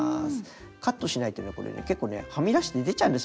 カットしないとね結構ねはみ出して出ちゃうんです